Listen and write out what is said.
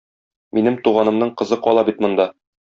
Минем туганымның кызы кала бит монда.